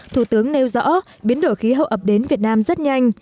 thủ tướng nêu rõ biến đổi khí hậu ập đến việt nam rất nhanh